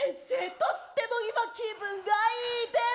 とっても今気分がいいです！